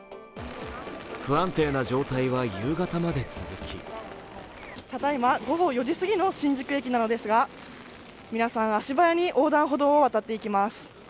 不安定な状態は夕方まで続きただいま午後４時すぎの新宿駅なのですが皆さん、足早に横断歩道を渡っていきます。